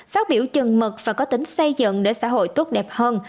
phát biểu trần mật và có tính xây dựng để xã hội tốt đẹp hơn